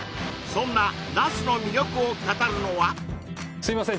そんな那須の魅力を語るのはすいません